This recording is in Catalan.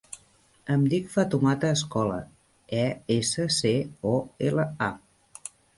Em dic Fatoumata Escola: e, essa, ce, o, ela, a.